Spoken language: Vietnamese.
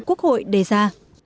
quốc hội đề ra